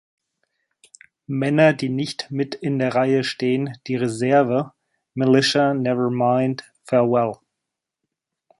Männer die nicht mit in der Reihe stehen, die Reserve, Militia never mind, Farewell.